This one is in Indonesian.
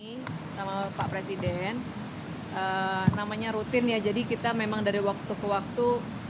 ini sama pak presiden namanya rutin ya jadi kita memang dari waktu ke waktu